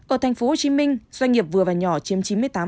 ở tp hcm doanh nghiệp vừa và nhỏ chiếm chín mươi tám